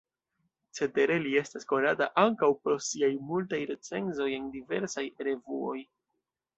Cetere, li estas konata ankaŭ pro siaj multaj recenzoj en diversaj E-revuoj.